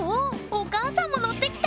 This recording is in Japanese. お母さんものってきた！